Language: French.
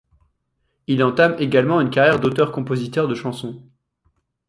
Il entame également une carrière d'auteur-compositeur de chansons.